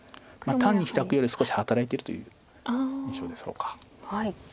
単にヒラくより少し働いてるという印象でしょうか。